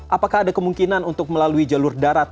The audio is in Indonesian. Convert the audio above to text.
apakah ada kemungkinan untuk melalui jalur darat